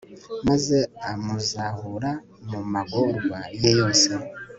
maze amuzahura mu magorwa ye yose